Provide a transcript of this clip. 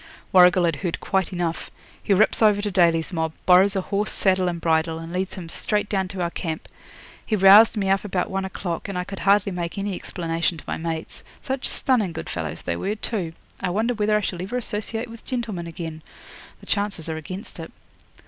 'Warrigal had heard quite enough. He rips over to Daly's mob, borrows a horse, saddle, and bridle, and leads him straight down to our camp. He roused me up about one o'clock, and I could hardly make any explanation to my mates. Such stunning good fellows they were, too! I wonder whether I shall ever associate with gentlemen again? The chances are against it.